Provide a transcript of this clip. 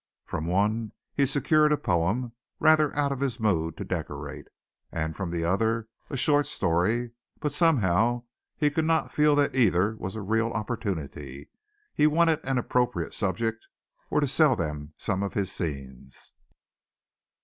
From one he secured a poem, rather out of his mood to decorate, and from the other a short story; but somehow he could not feel that either was a real opportunity. He wanted an appropriate subject or to sell them some of his scenes.